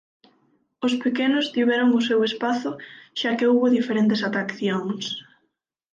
Os pequenos tiveron o seu espazo xa que houbo diferentes atraccións.